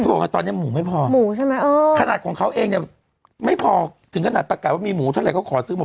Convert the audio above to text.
พี่บอกว่าตอนนี้หมูไม่พอขนาดของเขาเองไม่พอถึงขนาดประกันว่ามีหมูเท่าไหร่เขาขอซื้อหมู